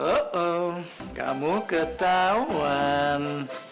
oh oh kamu ketahuan